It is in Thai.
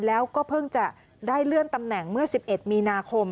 แล้วก็เพิ่งจะได้เลื่อนตำแหน่งเมื่อ๑๑มีนาคม